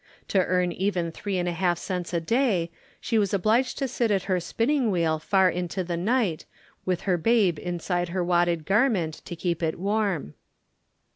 To earn even three and a half cents a day, she was obliged to sit at her spinning wheel far into the night, with her babe inside her wadded garment to keep it warm.